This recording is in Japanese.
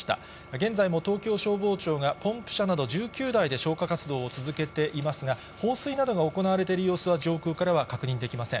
現在も東京消防庁が、ポンプ車など１９台で消火活動を続けていますが、放水などが行われている様子は、上空からは確認できません。